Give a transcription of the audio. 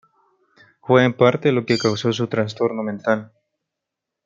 Fue, en parte, lo que causó su trastorno mental.